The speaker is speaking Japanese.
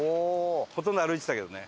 ほとんど歩いてたけどね。